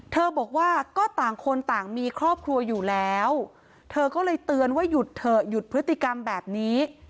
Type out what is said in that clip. บอกว่าก็ต่างคนต่างมีครอบครัวอยู่แล้วเธอก็เลยเตือนว่าหยุดเถอะหยุดพฤติกรรมแบบนี้